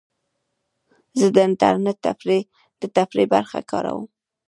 زه د انټرنیټ د تفریح برخه کاروم.